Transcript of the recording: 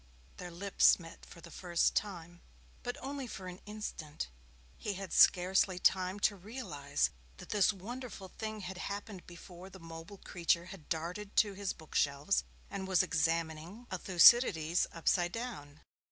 Their lips met for the first time, but only for an instant. He had scarcely time to realize that this wonderful thing had happened before the mobile creature had darted to his book shelves and was examining a Thucydides upside down.